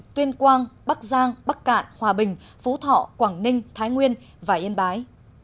tuyên quang bắc giang bắc cạn hòa bình phú thọ quảng ninh thái nguyên và yên bái